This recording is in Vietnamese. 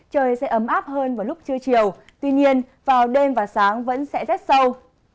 trời sẽ ấm áp hơn vào lúc trưa chiều tuy nhiên vào đêm và sáng vẫn sẽ rét sâu